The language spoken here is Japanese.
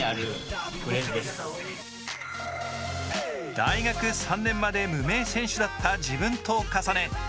大学３年まで無名選手だった自分と重ね